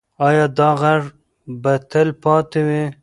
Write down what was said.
ایا دا غږ به تل پاتې وي؟